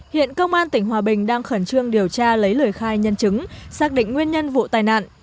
hiện công an tỉnh hòa bình đang khẩn trương điều tra lấy lời khai nhân chứng xác định nguyên nhân vụ tai nạn